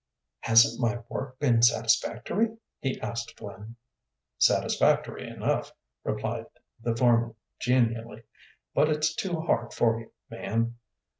"Hasn't my work been satisfactory?" he asked Flynn. "Satisfactory enough," replied the foreman, genially, "but it's too hard for you, man."